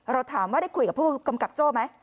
เราถามว่าได้คุยกับผู้กำกับโจ้ไหม